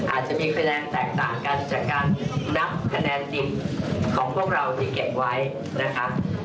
อาจจะมีคะแนนแตกต่างกันจากการนับคะแนนดิบของพวกเราที่เก็บไว้นะครับ